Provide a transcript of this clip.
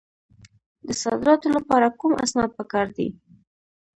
د صادراتو لپاره کوم اسناد پکار دي؟